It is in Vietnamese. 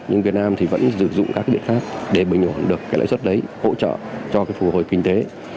nhưng việt nam thì vẫn dùng các biện pháp để bình ổn được cái lãi suất đấy hỗ trợ cho cái phục hồi kinh tế